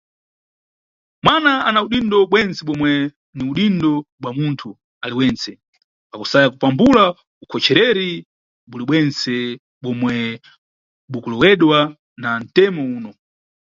Mwana ana udindo bwentse bomwe ni udindo bwa munthu aliwentse, pakusaya kupambula ukhochereri bulibwentse bomwe bukulewedwa na ntemo uno.